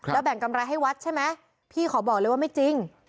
แล้วแบ่งกำไรให้วัดใช่ไหมพี่ขอบอกเลยว่าไม่จริง